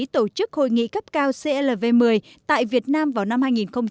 tổ chức hội nghị cấp cao clv một mươi tại việt nam vào năm hai nghìn một mươi tám